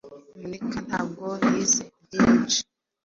Monica ntabwo yize byinhi